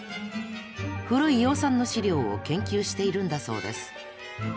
古い養蚕の資料を研究しているんだそうです。